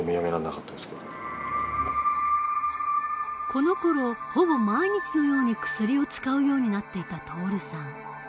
このころほぼ毎日のように薬を使うようになっていた徹さん。